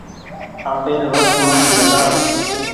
آپير وس مت گھٽآس ۔